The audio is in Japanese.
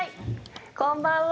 こんばんは。